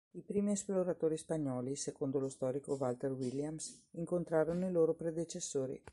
I primi esploratori spagnoli, secondo lo storico Walter Williams, incontrarono i loro predecessori.